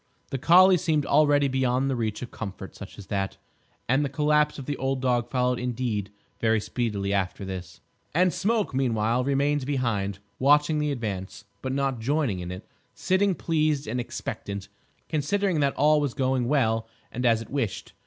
The collie seemed already beyond the reach of comfort such as that, and the collapse of the old dog followed indeed very speedily after this. And Smoke, meanwhile, remained behind, watching the advance, but not joining in it; sitting, pleased and expectant, considering that all was going well and as it wished.